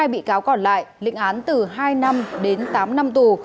hai mươi hai bị cáo còn lại lĩnh án từ hai năm đến tám năm tù